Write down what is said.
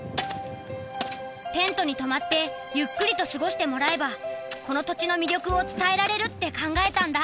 テントに泊まってゆっくりと過ごしてもらえばこの土地の魅力を伝えられるって考えたんだ。